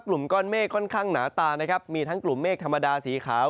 กลุ่มก้อนเมฆค่อนข้างหนาตานะครับมีทั้งกลุ่มเมฆธรรมดาสีขาว